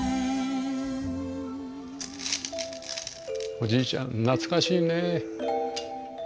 おじいちゃん懐かしいね。